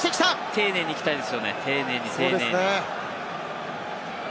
丁寧に行きたいですよね、丁寧に丁寧に。